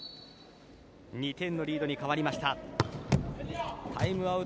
２点のリードに変わりました。